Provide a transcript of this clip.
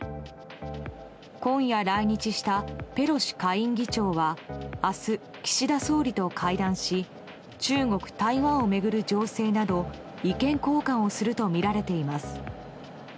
今夜、来日したペロシ下院議長は明日、岸田総理と会談し中国、台湾を巡る情勢など意見交換をするとみられています。